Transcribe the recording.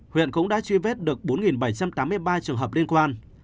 huyện cũng đã truy vết được bốn bảy trăm tám mươi ba trường hợp liên quan